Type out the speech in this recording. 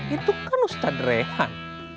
itu kan ustadz rehan